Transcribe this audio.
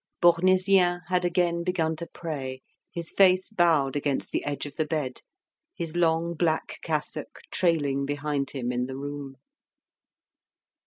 Bournisien had again begun to pray, his face bowed against the edge of the bed, his long black cassock trailing behind him in the room.